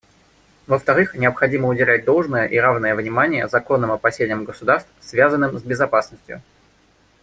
Во-вторых, необходимо уделять должное, и равное, внимание законным опасениям государств, связанным с безопасностью.